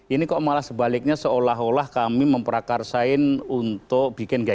ini kok malah sebaliknya seolah olah kami memperakarsain untuk bikin gaya